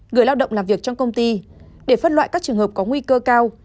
người lao động làm việc trong công ty để phân loại các trường hợp có nguy cơ cao